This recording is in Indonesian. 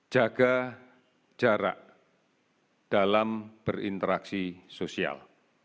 jaga jarak dalam berinteraksi sosial